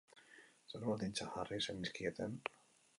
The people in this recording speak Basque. Zer baldintza jarri zenizkieten?